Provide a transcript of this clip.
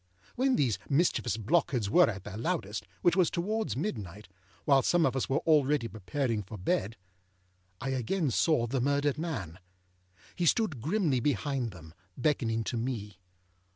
When these mischievous blockheads were at their loudest, which was towards midnight, while some of us were already preparing for bed, I again saw the murdered man. He stood grimly behind them, beckoning to me.